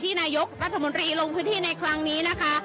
นายกรัฐมนตรีลงพื้นที่ในครั้งนี้นะคะ